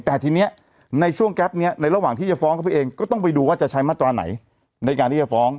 แต่ทีนี้ในช่วงแก๊ปนี้ในระหว่างที่จะฟ้องเข้าไปเองก็ต้องไปดูว่าจะใช้มาตราไหนในการที่จะฟ้อง